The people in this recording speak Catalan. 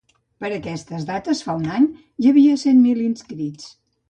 Per aquestes dates, fa un any, hi havia cent mil inscrits.